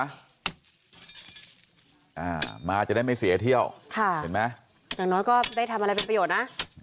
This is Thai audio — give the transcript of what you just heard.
อ่ามาจะได้ไม่เสียเที่ยวค่ะเห็นไหมอย่างน้อยก็ได้ทำอะไรเป็นประโยชน์นะ